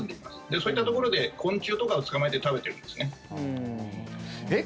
そういったところで昆虫とかを捕まえて食べてるんですね。